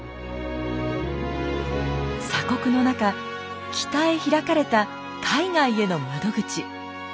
鎖国の中北へ開かれた海外への窓口。